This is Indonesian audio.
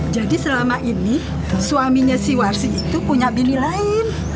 jadi selama ini suaminya si warsi itu punya bini lain